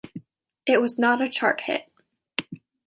It was not a chart hit.